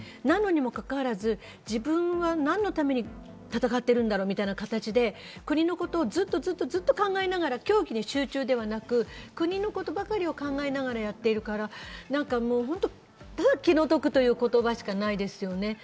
なのにもかかわらず、自分は何のために戦ってるんだろうみたいな形で国のことをずっと考えながら競技に集中ではなく、国のことばかりを考えながらやっているから、ただ気の毒という言葉しかないですよね。